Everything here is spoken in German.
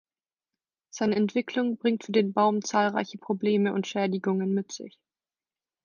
Seine Entwicklung bringt für den Baum zahlreiche Probleme und Schädigungen mit sich.